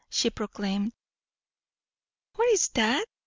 she proclaimed. "What is that?"